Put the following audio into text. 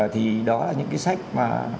thì đó là những cái sách mà